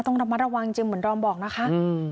ต้องระมัดระวังจริงเหมือนดอมบอกนะคะ